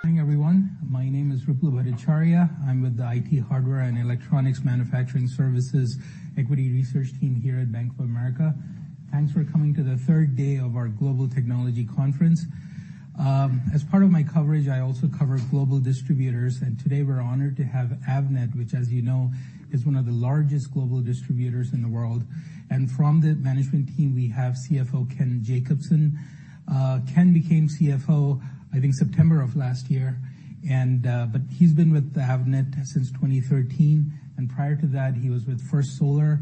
Good morning, everyone. My name is Ruplu Bhattacharya. I'm with the IT Hardware and Electronics Manufacturing Services Equity Research team here at Bank of America. Thanks for coming to the third day of our Global Technology Conference. As part of my coverage, I also cover global distributors, and today we're honored to have Avnet, which, as you know, is one of the largest global distributors in the world. From the management team, we have CFO Ken Jacobson. Ken became CFO, I think, September of last year, but he's been with Avnet since 2013, and prior to that, he was with First Solar.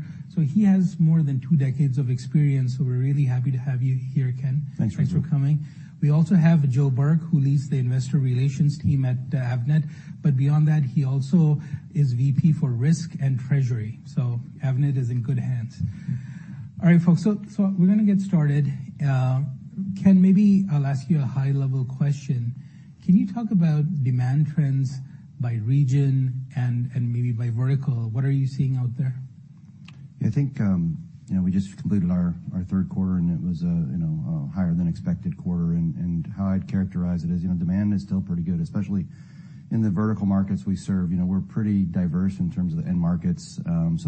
He has more than two decades of experience, so we're really happy to have you here, Ken. Thanks, Ruplu. Thanks for coming. We also have Joe Burke, who leads the investor relations team at Avnet, but beyond that, he also is VP for Risk and Treasury. Avnet is in good hands. All right, folks, we're gonna get started. Ken, maybe I'll ask you a high-level question: Can you talk about demand trends by region and maybe by vertical? What are you seeing out there? I think, you know, we just completed our third quarter, and it was a, you know, a higher than expected quarter. How I'd characterize it is, you know, demand is still pretty good, especially in the vertical markets we serve. You know, we're pretty diverse in terms of the end markets.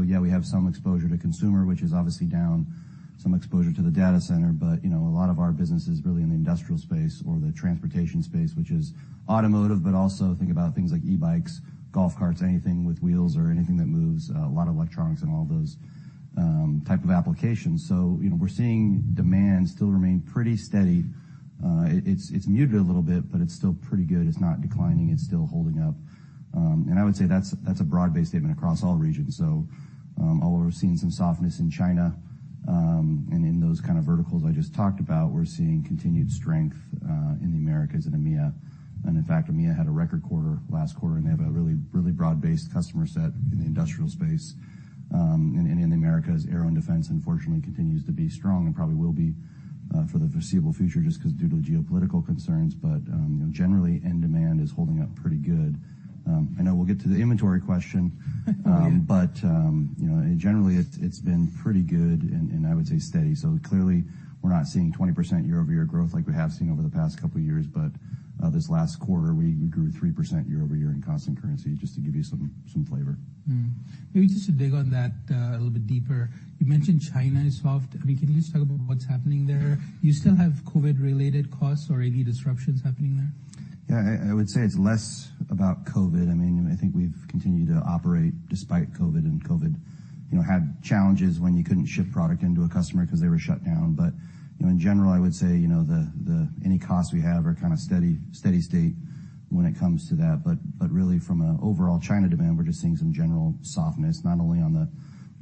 Yeah, we have some exposure to consumer, which is obviously down, some exposure to the data center, but, you know, a lot of our business is really in the industrial space or the transportation space, which is automotive, but also think about things like e-bikes, golf carts, anything with wheels or anything that moves, a lot of electronics and all those type of applications. You know, we're seeing demand still remain pretty steady. It's muted a little bit, but it's still pretty good. It's not declining. It's still holding up. I would say that's a broad-based statement across all regions. Although we're seeing some softness in China, and in those kind of verticals I just talked about, we're seeing continued strength in the Americas and EMEA. In fact, EMEA had a record quarter last quarter, and they have a really broad-based customer set in the industrial space. In the Americas, aero and defense, unfortunately, continues to be strong and probably will be for the foreseeable future just 'cause due to geopolitical concerns. You know, generally, end demand is holding up pretty good. I know we'll get to the inventory question, you know, generally it's been pretty good and I would say steady. Clearly we're not seeing 20% year-over-year growth like we have seen over the past couple years, but this last quarter, we grew 3% year-over-year in constant currency, just to give you some flavor. Maybe just to dig on that a little bit deeper, you mentioned China is soft. I mean, can you just talk about what's happening there? You still have COVID-related costs or any disruptions happening there? I would say it's less about COVID. I mean, I think we've continued to operate despite COVID, and COVID, you know, had challenges when you couldn't ship product into a customer 'cause they were shut down. In general, I would say, you know, the any costs we have are kind of steady state when it comes to that. Really from an overall China demand, we're just seeing some general softness, not only on the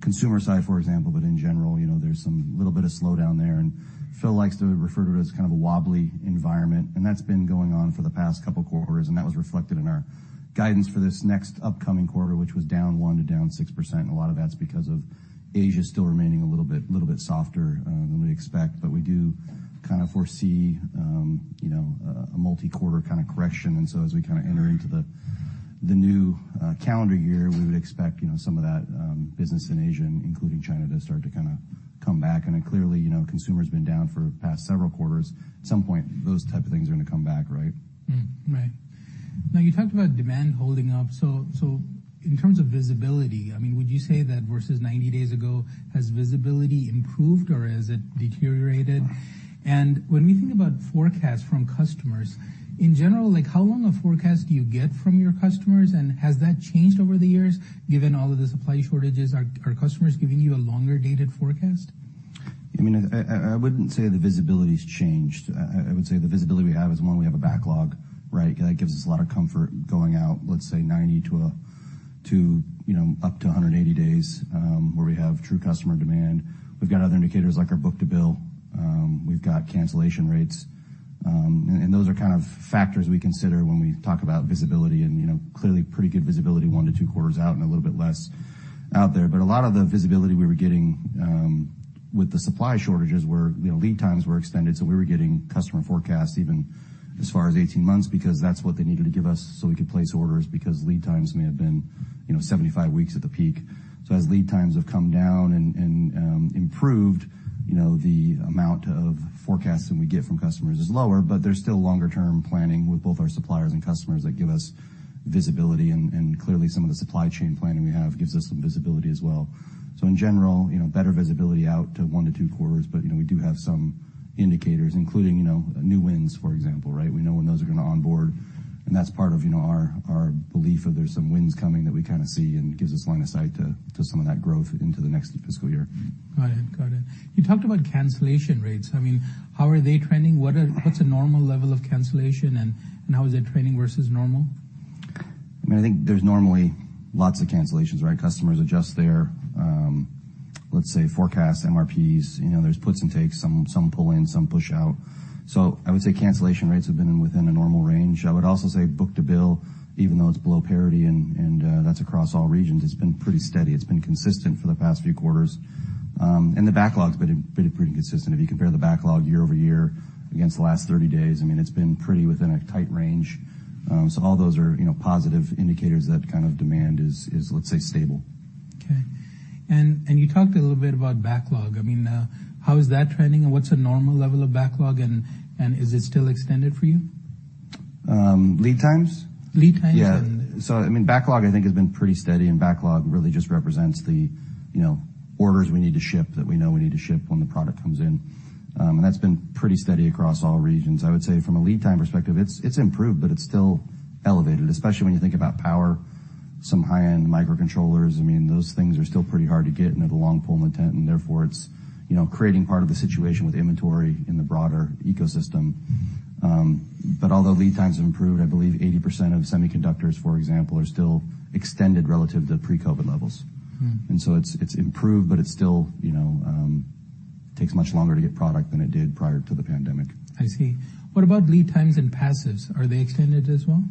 consumer side, for example, but in general. You know, there's some little bit of slowdown there, and Phil likes to refer to it as kind of a wobbly environment, and that's been going on for the past couple quarters, and that was reflected in our guidance for this next upcoming quarter, which was -1% to -6%. A lot of that's because of Asia still remaining a little bit softer than we expect. We do kind of foresee, you know, a multi-quarter kind of correction. As we kind of enter into the new calendar year, we would expect, you know, some of that business in Asia, including China, to start to kind of come back. Clearly, you know, consumer's been down for the past several quarters. At some point, those type of things are gonna come back, right? Right. You talked about demand holding up. In terms of visibility, I mean, would you say that versus 90 days ago, has visibility improved, or has it deteriorated? When we think about forecasts from customers, in general, like, how long a forecast do you get from your customers, and has that changed over the years given all of the supply shortages? Are customers giving you a longer-dated forecast? I mean, I wouldn't say the visibility's changed. I would say the visibility we have is, one, we have a backlog, right? That gives us a lot of comfort going out, let's say, 90 to, you know, up to 180 days, where we have true customer demand. We've got other indicators, like our book-to-bill. We've got cancellation rates. Those are kind of factors we consider when we talk about visibility, and, you know, clearly pretty good visibility one to two quarters out and a little bit less out there. A lot of the visibility we were getting with the supply shortages were, you know, lead times were extended, so we were getting customer forecasts even as far as 18 months because that's what they needed to give us so we could place orders, because lead times may have been, you know, 75 weeks at the peak. As lead times have come down and improved, you know, the amount of forecasts that we get from customers is lower, but there's still longer term planning with both our suppliers and customers that give us visibility, and clearly some of the supply chain planning we have gives us some visibility as well. In general, you know, better visibility out to one to two quarters, but, you know, we do have some indicators, including, you know, new wins, for example, right? We know when those are gonna onboard. That's part of, you know, our belief that there's some wins coming that we kind of see and gives us line of sight to some of that growth into the next fiscal year. Got it. Got it. You talked about cancellation rates. I mean, how are they trending? What's a normal level of cancellation, and how is it trending versus normal? I mean, I think there's normally lots of cancellations, right? Customers adjust their, let's say, forecast, MRPs. You know, there's puts and takes, some pull in, some push out. I would say cancellation rates have been within a normal range. I would also say book-to-bill, even though it's below parity, that's across all regions, it's been pretty steady. It's been consistent for the past few quarters. The backlog's been pretty consistent. If you compare the backlog year-over-year against the last 30 days, I mean, it's been pretty within a tight range. All those are, you know, positive indicators that kind of demand is, let's say, stable. Okay. You talked a little bit about backlog. I mean, how is that trending, and what's a normal level of backlog, and is it still extended for you? Lead times? Lead times. I mean, backlog, I think, has been pretty steady, and backlog really just represents the, you know, orders we need to ship, that we know we need to ship when the product comes in. That's been pretty steady across all regions. I would say from a lead time perspective, it's improved, but it's still elevated, especially when you think about power, some high-end microcontrollers. I mean, those things are still pretty hard to get and have a long pull in the tent, and therefore it's, you know, creating part of the situation with inventory in the broader ecosystem. Although lead times have improved, I believe 80% of semiconductors, for example, are still extended relative to pre-COVID levels. Mm. It's improved, but it's still, you know, takes much longer to get product than it did prior to the pandemic. I see. What about lead times and passives? Are they extended as well?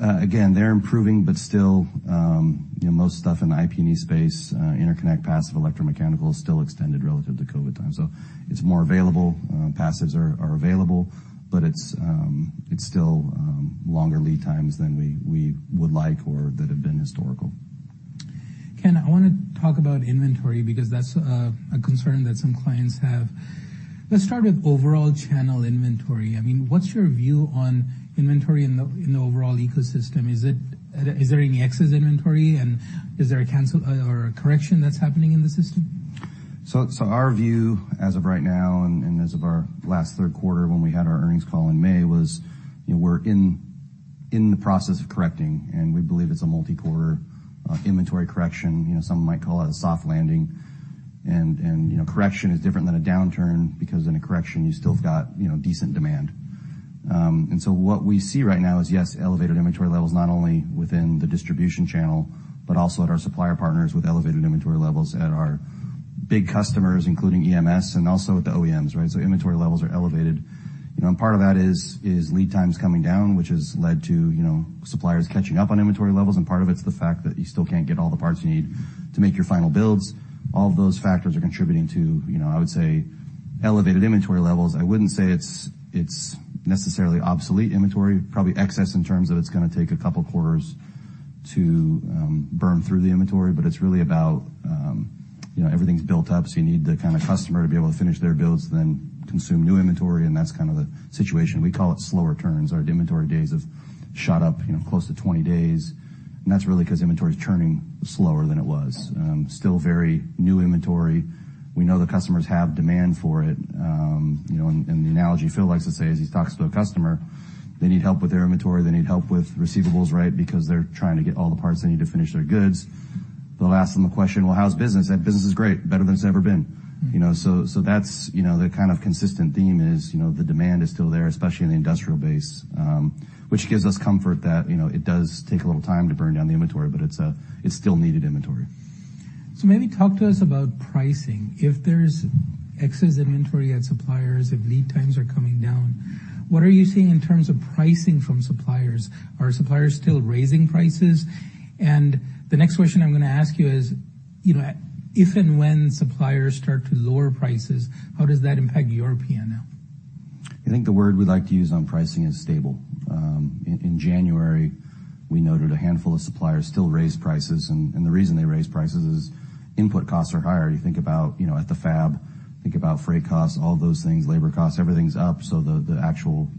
Again, they're improving, but still, you know, most stuff in the IP&E space, interconnect, passive, electromechanical, is still extended relative to COVID times. It's more available, passives are available, but it's still longer lead times than we would like or that have been historical. Ken, I wanna talk about inventory because that's a concern that some clients have. Let's start with overall channel inventory. I mean, what's your view on inventory in the overall ecosystem? Is there any excess inventory, and is there a cancel or a correction that's happening in the system? Our view as of right now and as of our last third quarter when we had our earnings call in May, was, you know, we're in the process of correcting, and we believe it's a multi-quarter inventory correction. You know, some might call it a soft landing. You know, correction is different than a downturn, because in a correction, you've still got, you know, decent demand. What we see right now is, yes, elevated inventory levels, not only within the distribution channel, but also at our supplier partners with elevated inventory levels at our big customers, including EMS and also at the OEMs, right? Inventory levels are elevated. You know, part of that is lead times coming down, which has led to, you know, suppliers catching up on inventory levels, and part of it's the fact that you still can't get all the parts you need to make your final builds. All of those factors are contributing to, you know, I would say, elevated inventory levels. I wouldn't say it's necessarily obsolete inventory, probably excess in terms of it's gonna take a couple quarters to burn through the inventory. It's really about, you know, everything's built up. You need the kind of customer to be able to finish their builds, then consume new inventory. That's kind of the situation. We call it slow turns. Our inventory days have shot up, you know, close to 20 days. That's really 'cause inventory is turning slower than it was. Still very new inventory. We know the customers have demand for it. You know, the analogy Phil likes to say as he talks to a customer, they need help with their inventory, they need help with receivables, right? Because they're trying to get all the parts they need to finish their goods. They'll ask them a question: "Well, how's business?" "Business is great, better than it's ever been." You know, that's, you know, the kind of consistent theme is, you know, the demand is still there, especially in the industrial base, which gives us comfort that, you know, it does take a little time to burn down the inventory, but it's still needed inventory. Maybe talk to us about pricing. If there's excess inventory at suppliers, if lead times are coming down, what are you seeing in terms of pricing from suppliers? Are suppliers still raising prices? The next question I'm gonna ask you is, you know, if and when suppliers start to lower prices, how does that impact your P&L? I think the word we like to use on pricing is stable. In January, we noted a handful of suppliers still raised prices, and the reason they raised prices is input costs are higher. You think about, you know, at the fab, think about freight costs, all those things, labor costs, everything's up, so the actual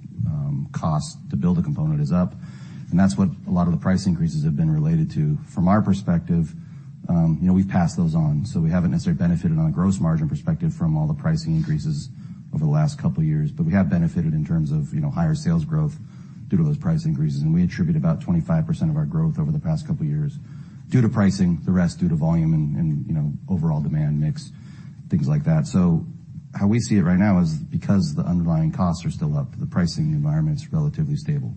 cost to build a component is up. That's what a lot of the price increases have been related to. From our perspective, you know, we've passed those on, so we haven't necessarily benefited on a gross margin perspective from all the pricing increases over the last couple of years. We have benefited in terms of, you know, higher sales growth due to those price increases, and we attribute about 25% of our growth over the past couple of years due to pricing, the rest due to volume and, you know, overall demand mix, things like that. How we see it right now is because the underlying costs are still up, the pricing environment is relatively stable.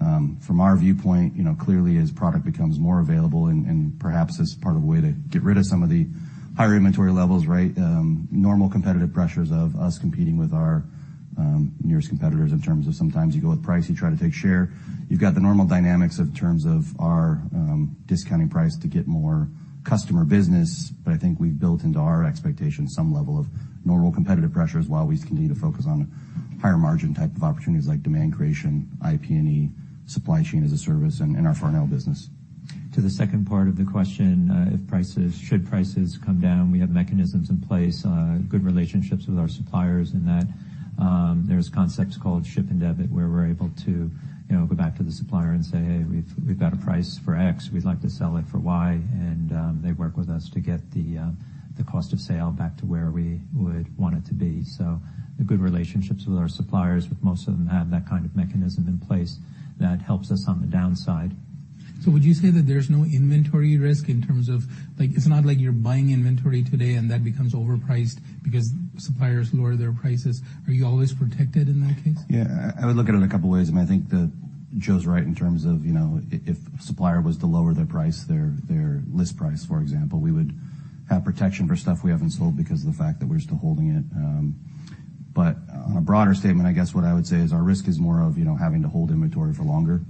From our viewpoint, you know, clearly, as product becomes more available and perhaps as part of a way to get rid of some of the higher inventory levels, right. Normal competitive pressures of us competing with our nearest competitors in terms of sometimes you go with price, you try to take share. You've got the normal dynamics in terms of our discounting price to get more customer business, but I think we've built into our expectations some level of normal competitive pressures while we continue to focus on higher margin type of opportunities like demand creation, IP&E, supply chain as a service, and our front-end business. To the second part of the question, should prices come down, we have mechanisms in place, good relationships with our suppliers, in that, there's concepts called ship and debit, where we're able to, you know, go back to the supplier and say, "Hey, we've got a price for X, we'd like to sell it for Y." They work with us to get the cost of sale back to where we would want it to be. The good relationships with our suppliers, with most of them, have that kind of mechanism in place that helps us on the downside. Would you say that there's no inventory risk in terms of, like, it's not like you're buying inventory today and that becomes overpriced because suppliers lower their prices? Are you always protected in that case? Yeah, I would look at it a couple of ways, and I think that Joe's right in terms of, you know, if a supplier was to lower their price, their list price, for example, we would have protection for stuff we haven't sold because of the fact that we're still holding it. On a broader statement, I guess what I would say is our risk is more of, you know, having to hold inventory for longer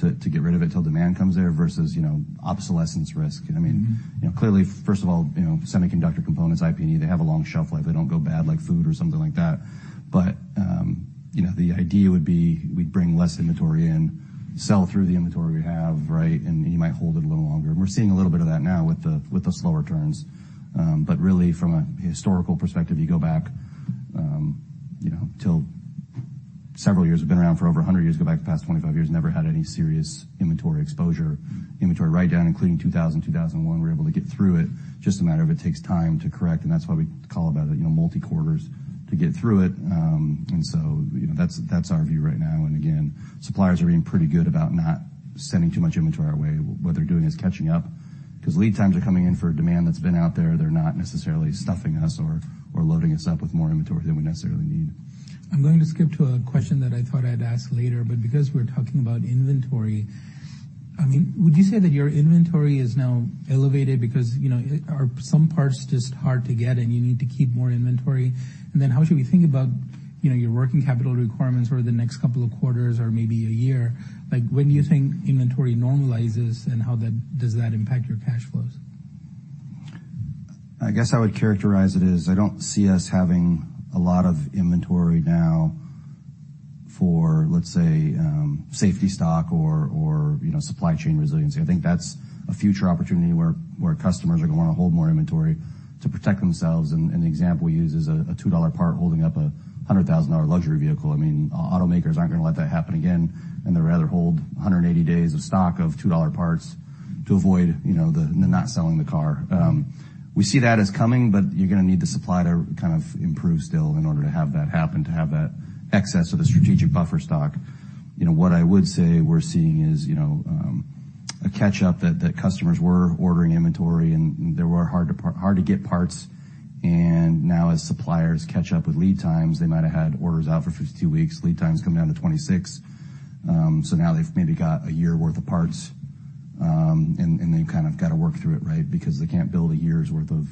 to get rid of it until demand comes there versus, you know, obsolescence risk. You know, clearly, first of all, you know, semiconductor components, IP&E, they have a long shelf life. They don't go bad like food or something like that. You know, the idea would be we'd bring less inventory in, sell through the inventory we have, right? You might hold it a little longer. We're seeing a little bit of that now with the, with the slower turns. Really, from a historical perspective, you go back, you know, till several years, have been around for over 100 years, go back the past 25 years, never had any serious inventory exposure, inventory write-down, including 2000, 2001, we were able to get through it. Just a matter of it takes time to correct, and that's why we call about it, you know, multi-quarters to get through it. You know, that's our view right now. Suppliers are being pretty good about not sending too much inventory our way. What they're doing is catching up, 'cause lead times are coming in for a demand that's been out there. They're not necessarily stuffing us or loading us up with more inventory than we necessarily need. I'm going to skip to a question that I thought I'd ask later, because we're talking about inventory, I mean, would you say that your inventory is now elevated because, you know, are some parts just hard to get, and you need to keep more inventory? How should we think about, you know, your working capital requirements over the next couple of quarters or maybe a year? Like, when do you think inventory normalizes, how does that impact your cash flows? I guess I would characterize it as, I don't see us having a lot of inventory now for, let's say, safety stock or, you know, supply chain resiliency. I think that's a future opportunity where customers are gonna wanna hold more inventory to protect themselves. The example we use is a $2 part holding up a $100,000 luxury vehicle. I mean, automakers aren't gonna let that happen again, and they'd rather hold 180 days of stock of $2 parts to avoid, you know, the, not selling the car. We see that as coming, you're gonna need the supply to kind of improve still in order to have that happen, to have that excess of the strategic buffer stock. You know, what I would say we're seeing is, you know, a catch-up, that customers were ordering inventory, and there were hard to get parts. Now, as suppliers catch up with lead times, they might have had orders out for 52 weeks, lead times come down to 26. Now they've maybe got a year worth of parts, and they've kind of got to work through it, right? Because they can't build a year's worth of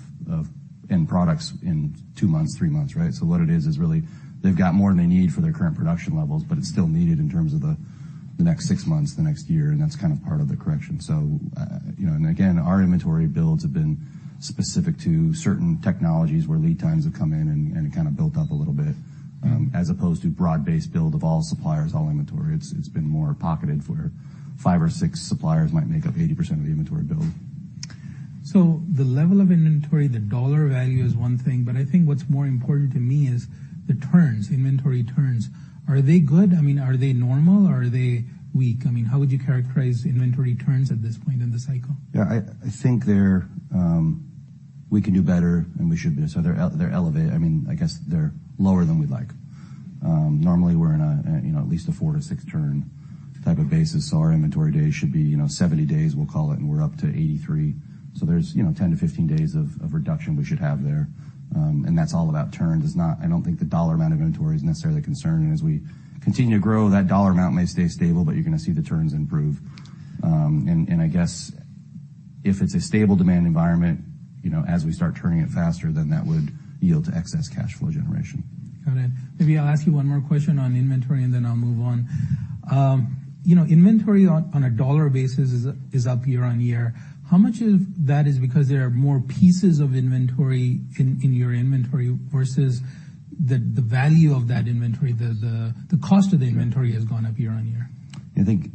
end products in two months, three months, right? What it is really they've got more than they need for their current production levels, but it's still needed in terms of the next six months, the next year, and that's kind of part of the correction. You know, and again, our inventory builds have been specific to certain technologies, where lead times have come in, and it kind of built up a little bit, as opposed to broad-based build of all suppliers, all inventory. It's been more pocketed, where five or six suppliers might make up 80% of the inventory build. The level of inventory, the dollar value is one thing, but I think what's more important to me is the turns, inventory turns. Are they good? I mean, are they normal, or are they weak? I mean, how would you characterize inventory turns at this point in the cycle? I think they're, we can do better, and we should do. They're elevated. I mean, I guess they're lower than we'd like. Normally, we're in a, you know, at least a 4-6 turn type of basis, so our inventory days should be, you know, 70 days, we'll call it, and we're up to 83. There's, you know, 10 to 15 days of reduction we should have there. That's all about turns. I don't think the dollar amount of inventory is necessarily a concern. As we continue to grow, that dollar amount may stay stable, but you're gonna see the turns improve. I guess if it's a stable demand environment, you know, as we start turning it faster, that would yield to excess cash flow generation. Got it. Maybe I'll ask you one more question on inventory, and then I'll move on. You know, inventory on a dollar basis is up year-over-year. How much of that is because there are more pieces of inventory in your inventory versus the value of that inventory? The cost of the inventory has gone up year-over-year. I think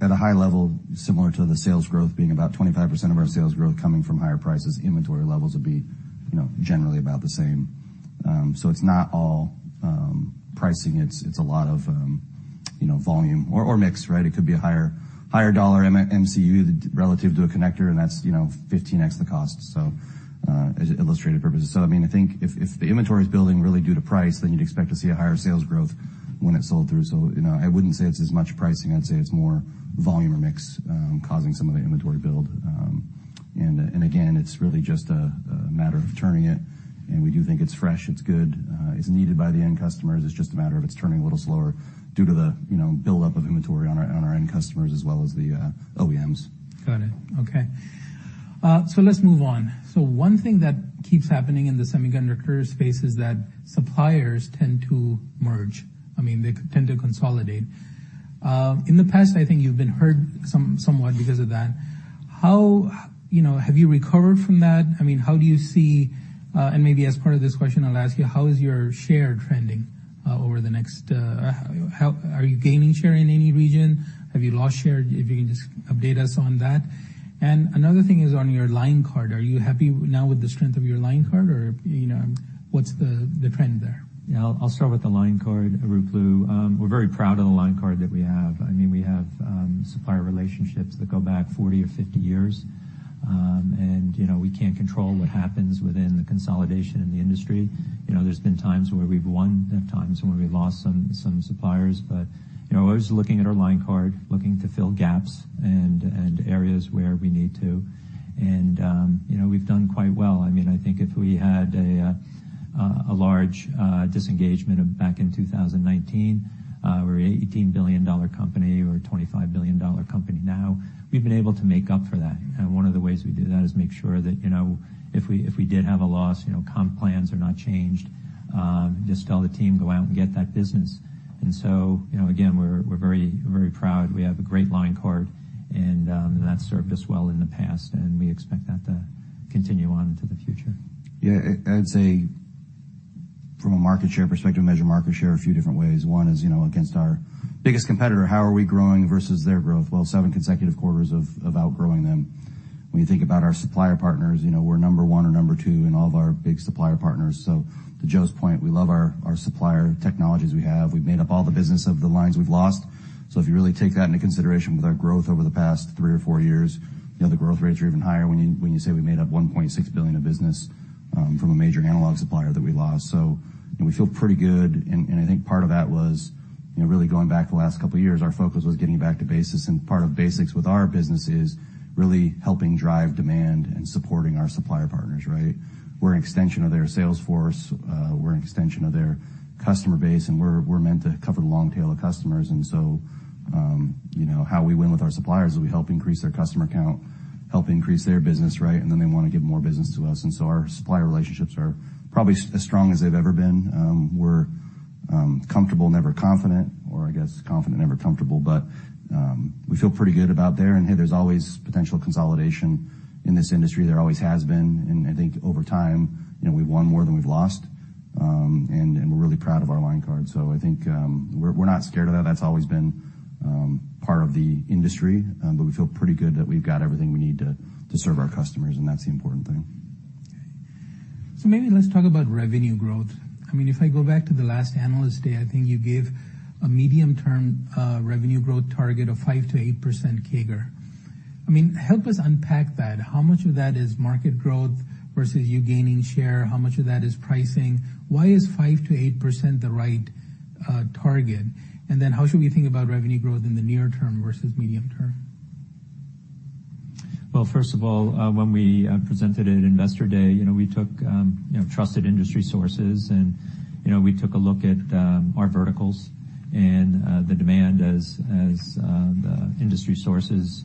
at a high level, similar to the sales growth being about 25% of our sales growth coming from higher prices, inventory levels would be, you know, generally about the same. It's not all pricing. It's a lot of, you know, volume or mix, right? It could be a higher dollar MCU relative to a connector, and that's, you know, 15x the cost, as illustrated purposes. I mean, I think if the inventory is building really due to price, then you'd expect to see a higher sales growth when it's sold through. You know, I wouldn't say it's as much pricing. I'd say it's more volume or mix causing some of the inventory build. Again, it's really just a matter of turning it, and we do think it's fresh, it's good, it's needed by the end customers. It's just a matter of it's turning a little slower due to the, you know, buildup of inventory on our end customers as well as the OEMs. Got it. Okay. Let's move on. One thing that keeps happening in the semiconductor space is that suppliers tend to merge. I mean, they tend to consolidate. In the past, I think you've been hurt somewhat because of that. How, you know, have you recovered from that? I mean, how do you see, and maybe as part of this question, I'll ask you, how is your share trending over the next? Are you gaining share in any region? Have you lost share? If you can just update us on that. Another thing is on your line card. Are you happy now with the strength of your line card, or, you know, what's the trend there? Yeah, I'll start with the line card, Ruplu. We're very proud of the line card that we have. I mean, we have supplier relationships that go back 40 or 50 years. You know, we can't control what happens within the consolidation in the industry. You know, there's been times where we've won, and times when we've lost some suppliers. But, you know, always looking at our line card, looking to fill gaps and areas where we need to. You know, we've done quite well. I mean, I think if we had a large disengagement back in 2019, we're an $18 billion company or a $25 billion company now. We've been able to make up for that, and one of the ways we do that is make sure that, you know, if we, if we did have a loss, you know, comp plans are not changed. Just tell the team, "Go out and get that business." You know, again, we're very, very proud. We have a great line card, and that's served us well in the past, and we expect that to continue on into the future. Yeah, I'd say from a market share perspective, measure market share a few different ways. One is, you know, against our biggest competitor, how are we growing versus their growth? Well, seven consecutive quarters of outgrowing them. When you think about our supplier partners, you know, we're number one or number two in all of our big supplier partners. To Joe's point, we love our supplier technologies we have. We've made up all the business of the lines we've lost. If you really take that into consideration with our growth over the past three or four years, you know, the growth rates are even higher when you, when you say we made up $1.6 billion of business from a major analog supplier that we lost. You know, we feel pretty good, and I think part of that was, you know, really going back the last couple years, our focus was getting back to basics, and part of basics with our business is really helping drive demand and supporting our supplier partners, right? We're an extension of their sales force, we're an extension of their customer base, and we're meant to cover the long tail of customers. You know, how we win with our suppliers is we help increase their customer count, help increase their business, right? Then they wanna give more business to us. Our supplier relationships are probably as strong as they've ever been. We're comfortable, never confident, or I guess confident, never comfortable. But we feel pretty good about there, and, hey, there's always potential consolidation in this industry. There always has been, and I think over time, you know, we've won more than we've lost. We're really proud of our line card. I think, we're not scared of that. That's always been, part of the industry, but we feel pretty good that we've got everything we need to serve our customers, and that's the important thing. Maybe let's talk about revenue growth. I mean, if I go back to the last Investor Day, I think you gave a medium-term revenue growth target of 5%-8% CAGR. I mean, help us unpack that. How much of that is market growth versus you gaining share? How much of that is pricing? Why is 5%-8% the right target? How should we think about revenue growth in the near term versus medium term? Well, first of all, when we presented at Investor Day, you know, we took, you know, trusted industry sources, and, you know, we took a look at our verticals and the demand as the industry sources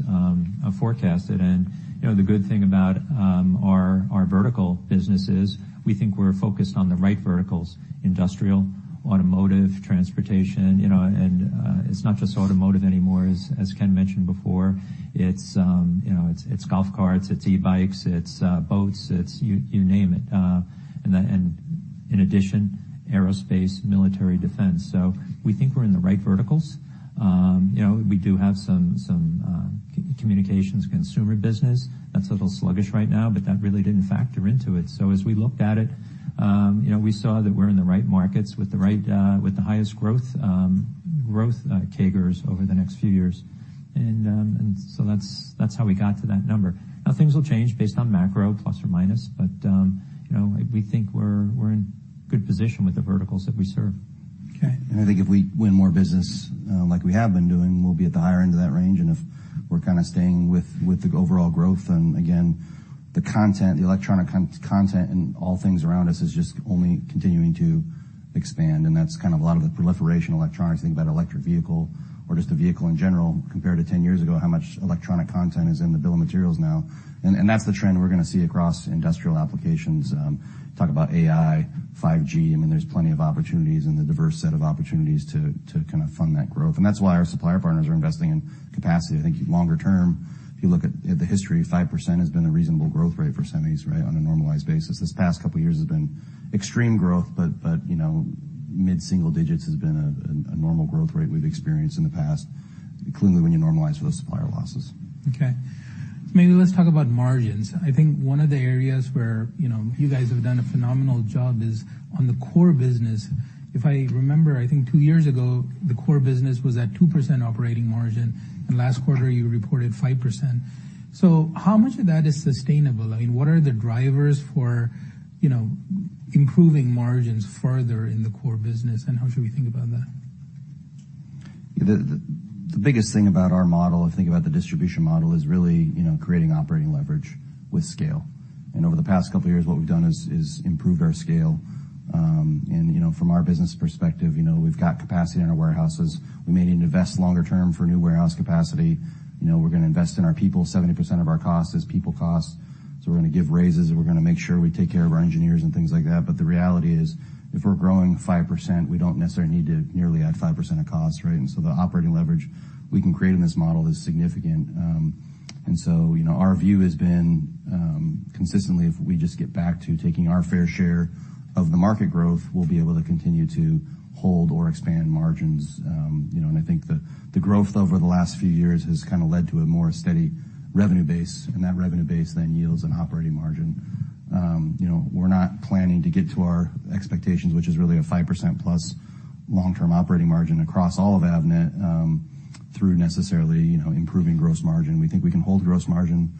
forecasted. You know, the good thing about our vertical business is we think we're focused on the right verticals, industrial, automotive, transportation, you know, and it's not just automotive anymore, as Ken mentioned before. It's, you know, it's golf carts, it's e-bikes, it's boats, it's you name it. Then, and in addition, aerospace, military, defense. We think we're in the right verticals. You know, we do have some communications consumer business that's a little sluggish right now, but that really didn't factor into it. As we looked at it, you know, we saw that we're in the right markets with the right with the highest growth CAGRs over the next few years. That's that's how we got to that number. Now, things will change based on macro ±, but, you know, we think we're we're in good position with the verticals that we serve. Okay. I think if we win more business, like we have been doing, we'll be at the higher end of that range. If we're kind of staying with the overall growth, and again, the content, the electronic content and all things around us is just only continuing to expand, and that's kind of a lot of the proliferation of electronics. Think about electric vehicle or just a vehicle in general, compared to 10 years ago, how much electronic content is in the bill of materials now. That's the trend we're gonna see across industrial applications. Talk about AI, 5G, I mean, there's plenty of opportunities and a diverse set of opportunities to kind of fund that growth. That's why our supplier partners are investing in capacity. I think longer term, if you look at the history, 5% has been a reasonable growth rate for semis, right, on a normalized basis. This past couple of years has been extreme growth, but, you know, mid-single digits has been a normal growth rate we've experienced in the past, clearly, when you normalize for those supplier losses. Maybe let's talk about margins. I think one of the areas where, you know, you guys have done a phenomenal job is on the core business. If I remember, I think two years ago, the core business was at 2% operating margin, and last quarter, you reported 5%. How much of that is sustainable? I mean, what are the drivers for, you know, improving margins further in the core business, and how should we think about that? The biggest thing about our model, if you think about the distribution model, is really, you know, creating operating leverage with scale. Over the past couple of years, what we've done is improved our scale. From our business perspective, you know, we've got capacity in our warehouses. We may need to invest longer term for new warehouse capacity. You know, we're gonna invest in our people. 70% of our cost is people cost, we're gonna give raises, we're gonna make sure we take care of our engineers and things like that. The reality is, if we're growing 5%, we don't necessarily need to nearly add 5% of cost, right? The operating leverage we can create in this model is significant. You know, our view has been, consistently, if we just get back to taking our fair share of the market growth, we'll be able to continue to hold or expand margins. You know, I think the growth over the last few years has kind of led to a more steady revenue base, and that revenue base then yields an operating margin. You know, we're not planning to get to our expectations, which is really a 5%+ long-term operating margin across all of Avnet, through necessarily, you know, improving gross margin. We think we can hold gross margin,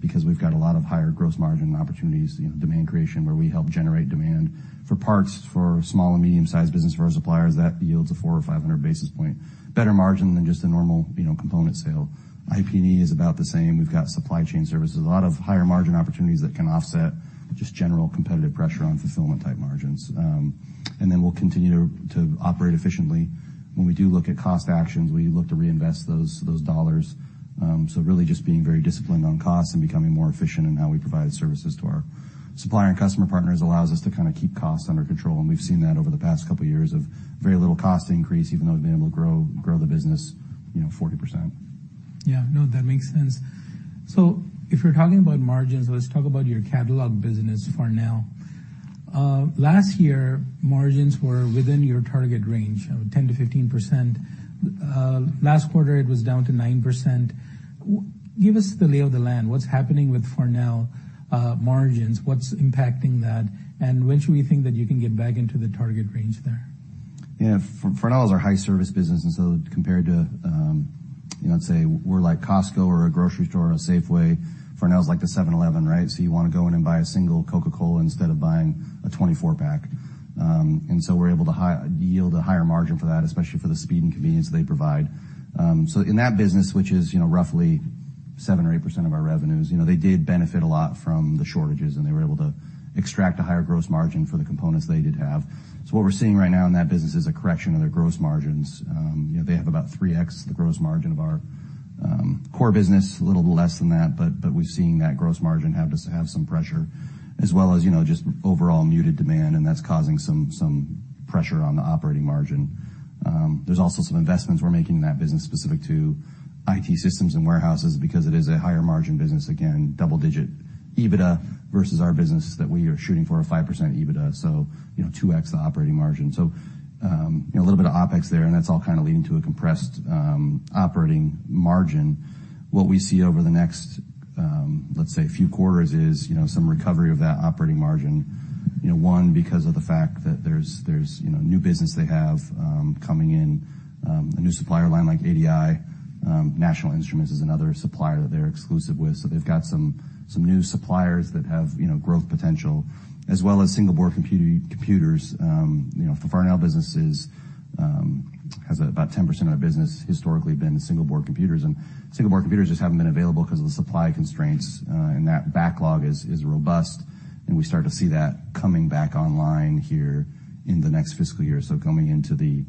because we've got a lot of higher gross margin opportunities, you know, demand creation, where we help generate demand. For parts, for small and medium-sized business, for our suppliers, that yields a 400 or 500 basis point better margin than just a normal, you know, component sale. IP&E is about the same. We've got supply chain services, a lot of higher margin opportunities that can offset just general competitive pressure on fulfillment-type margins. We'll continue to operate efficiently. When we do look at cost actions, we look to reinvest those dollars. Really just being very disciplined on costs and becoming more efficient in how we provide services to our supplier and customer partners allows us to kind of keep costs under control, and we've seen that over the past couple of years of very little cost increase, even though we've been able to grow the business, you know, 40%. Yeah, no, that makes sense. If you're talking about margins, let's talk about your catalog business for now. Last year, margins were within your target range of 10%-15%. Last quarter, it was down to 9%. Give us the lay of the land. What's happening with Farnell margins? What's impacting that? When should we think that you can get back into the target range there? Farnell is our high service business, and so compared to, you know, let's say, we're like Costco or a grocery store or a Safeway, Farnell's like the 7-Eleven, right? You wanna go in and buy a single Coca-Cola instead of buying a 24-pack. We're able to high- yield a higher margin for that, especially for the speed and convenience they provide. In that business, which is, you know, roughly 7% or 8% of our revenues, you know, they did benefit a lot from the shortages, and they were able to extract a higher gross margin for the components they did have. What we're seeing right now in that business is a correction of their gross margins. You know, they have about 3x the gross margin of our core business, a little less than that, but we've seen that gross margin have to have some pressure as well as, you know, just overall muted demand, and that's causing some pressure on the operating margin. There's also some investments we're making in that business specific to IT systems and warehouses because it is a higher margin business, again, double-digit EBITDA versus our business that we are shooting for a 5% EBITDA. You know, 2x the operating margin. You know, a little bit of OpEx there, and that's all kinda leading to a compressed operating margin. What we see over the next, let's say, a few quarters is, you know, some recovery of that operating margin. You know, one, because of the fact that there's, you know, new business they have coming in, a new supplier line like ADI. National Instruments is another supplier that they're exclusive with, they've got some new suppliers that have, you know, growth potential, as well as single board computers. You know, the Farnell businesses has about 10% of their business historically been single board computers, and single board computers just haven't been available because of the supply constraints, that backlog is robust, we start to see that coming back online here in the next fiscal year. Coming into the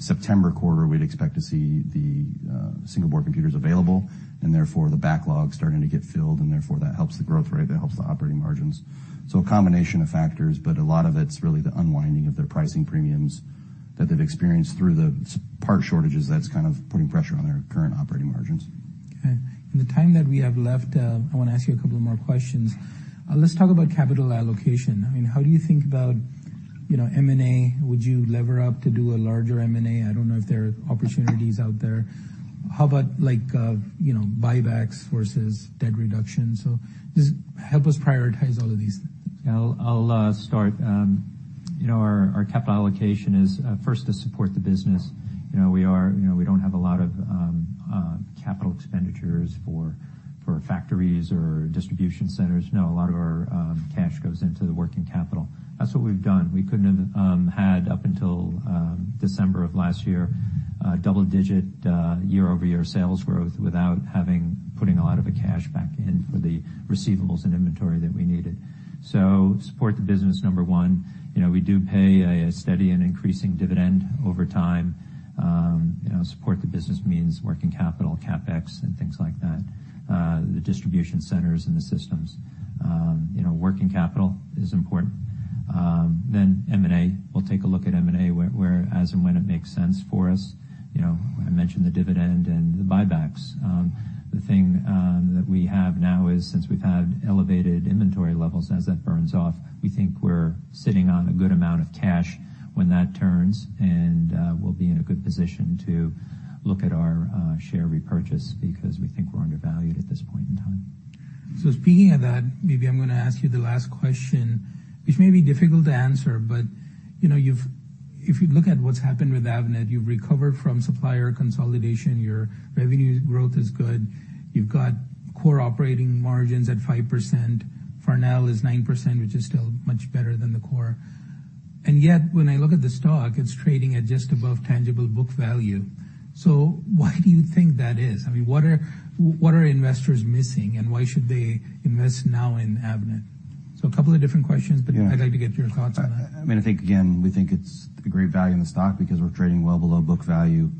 September quarter, we'd expect to see the single board computers available, therefore, the backlog starting to get filled, therefore, that helps the growth rate, that helps the operating margins. A combination of factors, but a lot of it's really the unwinding of their pricing premiums that they've experienced through the part shortages that's kind of putting pressure on their current operating margins. Okay. In the time that we have left, I wanna ask you a couple more questions. Let's talk about capital allocation. I mean, how do you think about, you know, M&A? Would you lever up to do a larger M&A? I don't know if there are opportunities out there. How about like, you know, buybacks versus debt reduction? Just help us prioritize all of these. Yeah, I'll start. You know, our capital allocation is first to support the business. You know, we don't have a lot of capital expenditures for factories or distribution centers. A lot of our cash goes into the working capital. That's what we've done. We couldn't have had, up until December of last year, a double-digit year-over-year sales growth without having, putting a lot of the cash back in for the receivables and inventory that we needed. Support the business, number one. You know, we do pay a steady and increasing dividend over time. You know, support the business means working capital, CapEx, and things like that. The distribution centers and the systems. You know, working capital is important. M&A. We'll take a look at M&A where as and when it makes sense for us. You know, I mentioned the dividend and the buybacks. The thing that we have now is, since we've had elevated inventory levels, as that burns off, we think we're sitting on a good amount of cash when that turns, and we'll be in a good position to look at our share repurchase because we think we're undervalued at this point in time. Speaking of that, maybe I'm gonna ask you the last question, which may be difficult to answer, but, you know, you've if you look at what's happened with Avnet, you've recovered from supplier consolidation, your revenue growth is good, you've got core operating margins at 5%. Farnell is 9%, which is still much better than the core. Yet, when I look at the stock, it's trading at just above tangible book value. Why do you think that is? I mean, what are investors missing, and why should they invest now in Avnet? A couple of different questions, but I'd like to get your thoughts on that. I mean, I think, again, we think it's a great value in the stock because we're trading well below book value.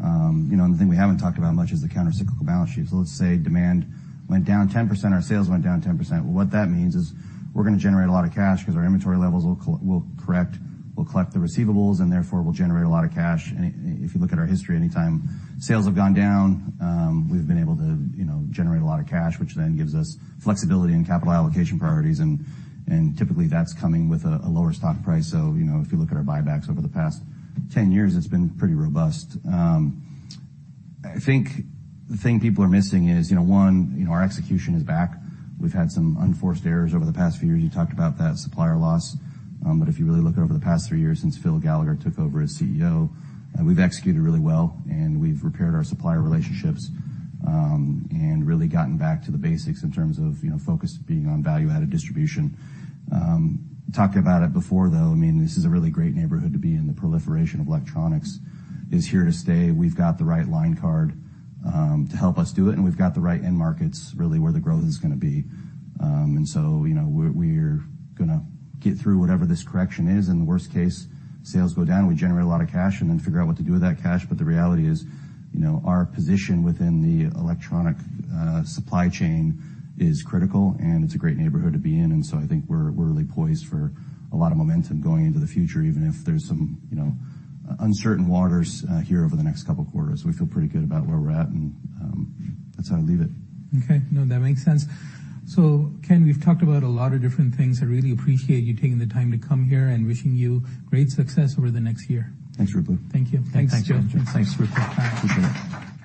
You know, the thing we haven't talked about much is the countercyclical balance sheet. Let's say demand went down 10%, our sales went down 10%. What that means is we're gonna generate a lot of cash because our inventory levels will correct, we'll collect the receivables, and therefore, we'll generate a lot of cash. If you look at our history, anytime sales have gone down, we've been able to, you know, generate a lot of cash, which then gives us flexibility in capital allocation priorities, and typically that's coming with a lower stock price. You know, if you look at our buybacks over the past 10 years, it's been pretty robust. I think the thing people are missing is, you know, one, you know, our execution is back. We've had some unforced errors over the past few years. You talked about that, supplier loss. If you really look over the past three years since Phil Gallagher took over as CEO, we've executed really well, and we've repaired our supplier relationships, and really gotten back to the basics in terms of, you know, focus being on value-added distribution. Talked about it before, though, I mean, this is a really great neighborhood to be in. The proliferation of electronics is here to stay. We've got the right line card to help us do it, and we've got the right end markets, really where the growth is gonna be. You know, we're gonna get through whatever this correction is, in the worst case, sales go down, we generate a lot of cash and then figure out what to do with that cash. The reality is, you know, our position within the electronic supply chain is critical, and it's a great neighborhood to be in. I think we're really poised for a lot of momentum going into the future, even if there's some, you know, uncertain waters here over the next couple of quarters. We feel pretty good about where we're at, and that's how I'd leave it. Okay. No, that makes sense. Ken, we've talked about a lot of different things. I really appreciate you taking the time to come here and wishing you great success over the next year. Thanks, Ruplu. Thank you. Thanks, Joe. Thanks, Ken. Appreciate it.